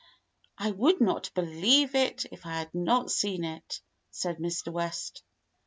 "I would not believe it if I had not seen it," said Mr. West.